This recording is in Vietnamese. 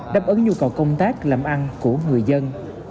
đáp ứng nhu cầu công tác làm ăn của người dân